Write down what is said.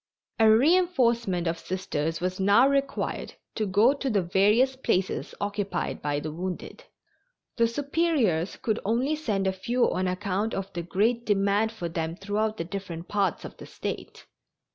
A reinforcement of Sisters was now required to go to the various places occupied by the wounded. The Superiors could only send a few on account of the great demand for them throughout the different parts of the State.